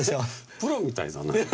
「プロみたいだな」。